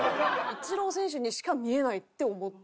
イチロー選手にしか見えないって思って。